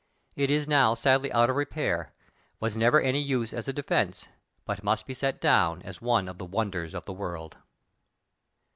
It is now sadly out of repair, was never any use as a defense, but must be set down as one of the wonders of the world.